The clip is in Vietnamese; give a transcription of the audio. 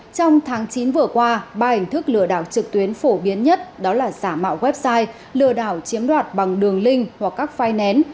trong tháng chín vừa qua ba hình thức lừa đảo trực tuyến phổ biến nhất đó là giả mạo website lừa đảo chiếm đoạt bằng đường link hoặc các file nén